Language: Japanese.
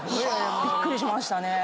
びっくりしましたね。